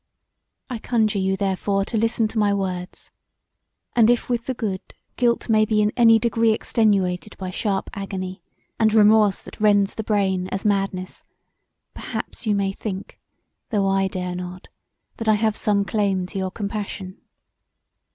I conjure you therefore to listen to my words, and if with the good guilt may be in any degree extenuated by sharp agony, and remorse that rends the brain as madness perhaps you may think, though I dare not, that I have some claim to your compassion.